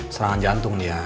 serangan jantung dia